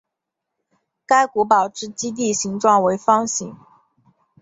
该古堡之基地形状为方形。